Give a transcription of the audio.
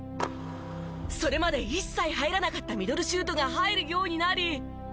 それまで一切入らなかったミドルシュートが入るようになり。